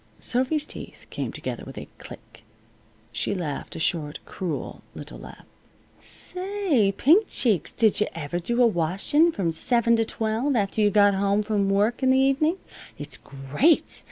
Sophy's teeth came together with a click. She laughed a short cruel little laugh. "Say, Pink Cheeks, did yuh ever do a washin' from seven to twelve, after you got home from work in the evenin'? It's great!